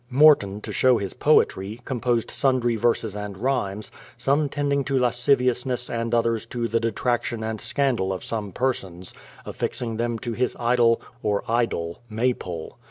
Morton, to show his poetiy, composed sundry verses and rhymes, some tending to lasciviousness and others to the detraction and scandal of some persons, affixing them to his idle, or idol, IMaypole.